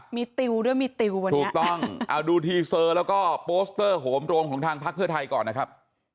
มีติวด้วยมีติววันนี้ถูกต้องเอาดูทีเซอร์แล้วก็โปสเตอร์โหมโรงของทางพักเพื่อไทยก่อนนะครับ